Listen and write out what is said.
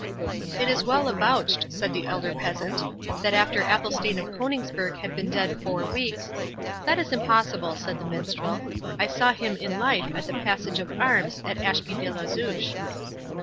"It is well avouched," said the elder peasant, "that after Athelstane of Coningsburgh had been dead four weeks—" "That is impossible," said the Minstrel; "I saw him in life at the Passage of Arms at Ashby de la Zouche."